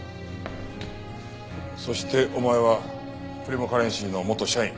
そしてお前はプリモカレンシーの元社員。